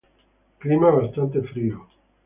Clima bastante frío.